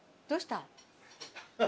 どうした！？